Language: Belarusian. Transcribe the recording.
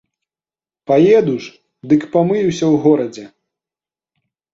Паеду ж, дык памыюся ў горадзе.